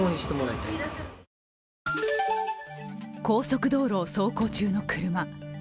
高速道路を走行中の車。